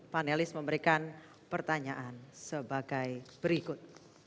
panelis memberikan pertanyaan sebagai berikut